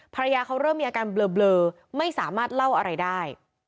ภรรยาเขาเริ่มมีอาการเบลอไม่สามารถเล่าอะไรได้